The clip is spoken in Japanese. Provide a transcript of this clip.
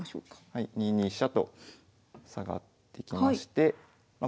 はい２二飛車と下がってきましてまあ